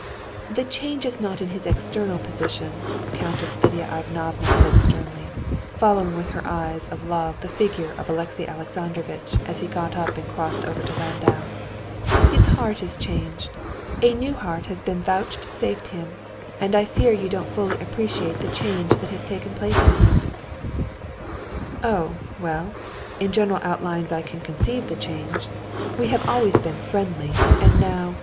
"The change is not in his external position," Countess Lidia Ivanovna said sternly, following with eyes of love the figure of Alexey Alexandrovitch as he got up and crossed over to Landau; "his heart is changed, a new heart has been vouchsafed him, and I fear you don't fully apprehend the change that has taken place in him." "Oh, well, in general outlines I can conceive the change. We have always been friendly, and now...."